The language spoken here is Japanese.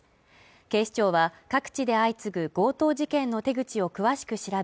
警視庁は各地で相次ぐ強盗事件の手口を詳しく調べ